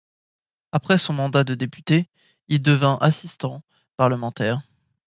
Après son mandat de député, il devint assistant parlementaire.